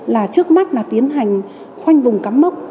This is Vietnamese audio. là trước mắt tiến hành khoanh vùng cắm mốc